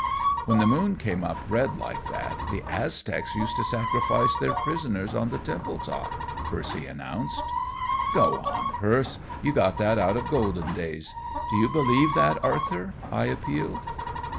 "When the moon came up red like that, the Aztecs used to sacrifice their prisoners on the temple top," Percy announced. "Go on, Perce. You got that out of Golden Days. Do you believe that, Arthur?" I appealed.